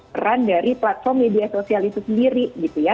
peran dari platform media sosial itu sendiri gitu ya